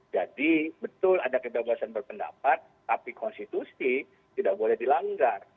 jadi betul ada kebebasan berpendapat tapi konstitusi tidak boleh dilanggar